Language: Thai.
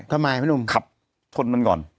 ทำไมขับทนมันก่อน